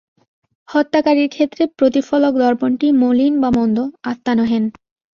হত্যাকারীর ক্ষেত্রে প্রতিফলক-দর্পণটিই মলিন বা মন্দ, আত্মা নহেন।